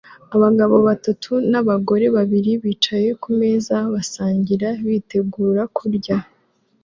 Abagabo batatu n'abagore babiri bicaye kumeza basangira bitegura kurya